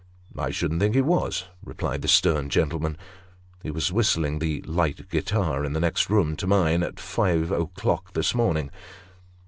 " I should think he was," replied the stern gentleman. " He was whistling ' The Light Guitar,' in the next room to mine, at five o'clock this morning."